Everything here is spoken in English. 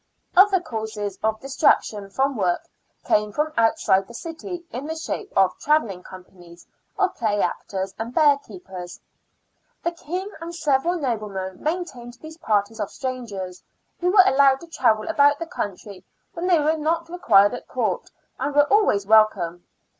Other causes of distraction from work came from out side the city in the shape of travelling companies of play actors and bear keepers. The King and several noblemen maintained these parties of strangers, who were allowed to travel about the country when they were not required at Court, and were always welcome.